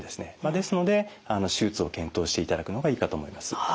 ですので手術を検討していただくのがいいかと思います。